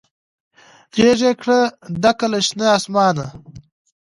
غیږ یې کړه ډکه له شنه اسمانه